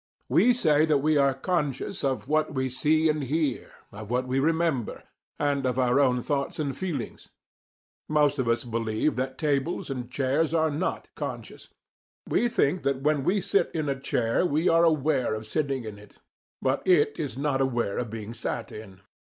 We say that we are "conscious" of what we see and hear, of what we remember, and of our own thoughts and feelings. Most of us believe that tables and chairs are not "conscious." We think that when we sit in a chair, we are aware of sitting in it, but it is not aware of being sat in.